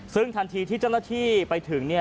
ซึ่งทันทีที่เจ้าหน้าที่ไปถึง